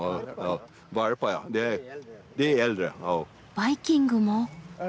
バイキングも？